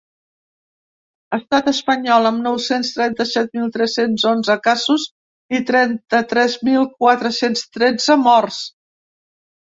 Estat espanyol, amb nou-cents trenta-set mil tres-cents onze casos i trenta-tres mil quatre-cents tretze morts.